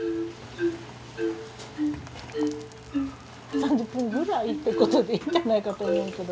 ３０分ぐらいって事でいいんじゃないかと思うけど。